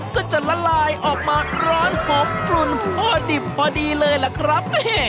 ก็จะละลายออกมาร้อนหอมกลุ่นพ่อดิบพอดีเลยล่ะครับ